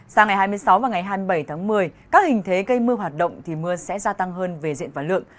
sang ngày hai mươi sáu và ngày hai mươi bảy tháng một mươi các hình thế cây mưa hoạt động thì mưa sẽ gia tăng hơn về diện và lượng